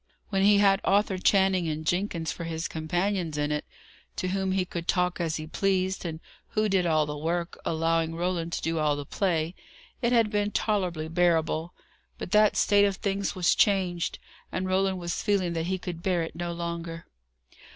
When he had Arthur Channing and Jenkins for his companions in it, to whom he could talk as he pleased, and who did all the work, allowing Roland to do all the play, it had been tolerably bearable; but that state of things was changed, and Roland was feeling that he could bear it no longer.